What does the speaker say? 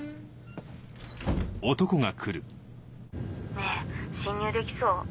ねぇ侵入できそう？